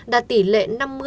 đạt tỷ lệ năm mươi hai mươi năm